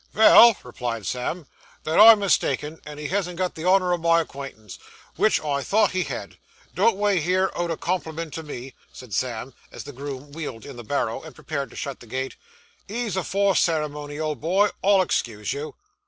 'Vell,' replied Sam, 'then I'm mistaken, and he hasn't got the honour o' my acquaintance, which I thought he had. Don't wait here out o' compliment to me,' said Sam, as the groom wheeled in the barrow, and prepared to shut the gate. 'Ease afore ceremony, old boy; I'll excuse you.